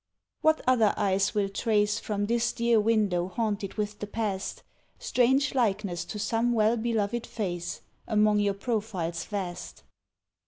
What other eyes will trace From this dear window haunted with the past, Strange likeness to some well beloved face, Among your profiles vast?